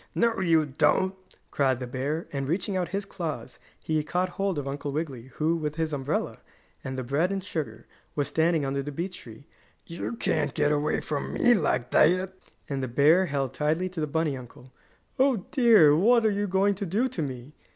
"No, you don't!" cried the bear, and, reaching out his claws, he caught hold of Uncle Wiggily, who, with his umbrella, and the bread and sugar, was standing under the beech tree. "You can't get away from me like that," and the bear held tightly to the bunny uncle. "Oh, dear! What are you going to do to me?"